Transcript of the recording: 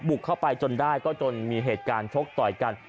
เข้าไปจนได้ก็จนมีเหตุการณ์ชกต่อยกัน